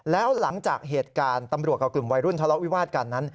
แล้วหลังจากเหตุการณ์ตำรวจกับกลุ่มวัยรุ่นทะเลาะวิวาดกันนั้น